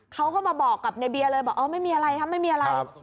เขาก็มาบอกในเบียร์เลยไม่มีอะไรครับ